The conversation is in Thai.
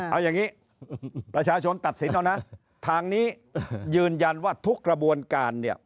เอาอย่างนี้ประชาชนตัดสินเอานะทางนี้ยืนยันว่าทุกกระบวนการเนี่ย